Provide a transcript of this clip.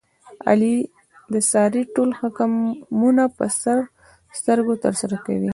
علي د سارې ټول حکمونه په سر سترګو ترسره کوي.